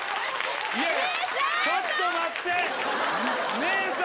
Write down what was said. ちょっと待って姉さん。